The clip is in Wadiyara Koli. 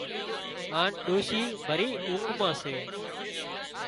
هانَ ڏوشي ڀري اونگھ مان سي